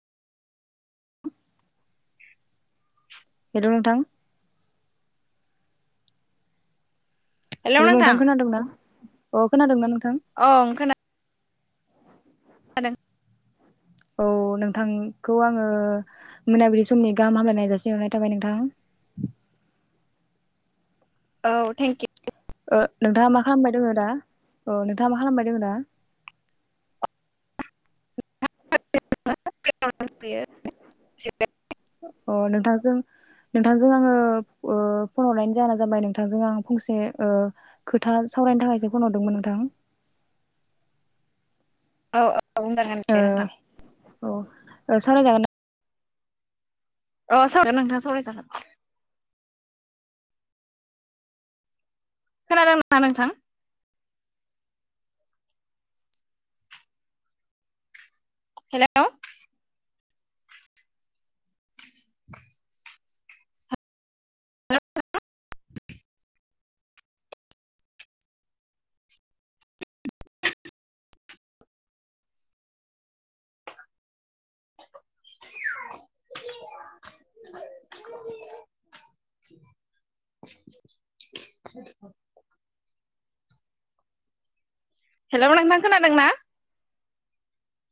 [inaudible] हेल' नोंथां हेल' नोंथां खोनादोंना अ' खोनादोंना नोंथां? ओं खोना औ नोंथांखौ आङो मोनाबिलि समनि गाहाम हामलायनाय जासि हरनाय थाबाय नोंथां। औ थेंकि ओ नोंथाङा मा खालामबाय दोङो दा ओ नोंथाङा मा खालामबाय दोङो दा? [unintelligible] अ' नोंथांजों नोंथांजों आङो ओ फन हरनायनि जाहोना जाबाय नोंथांजों आं फंसे ओ खोथा सावरायनो थाखायसो फन हरदोंमोन नोंथां। औ ओ [unintelligible] ओ औ ओ सावराय जागोन अ' सावराय जागोन नोंथां सावराय जागोन। खोनादों नामा नोंथां? हेल' [inaudible] [inaudible] [inaudible] हेल' नोंथां खोनादोंना?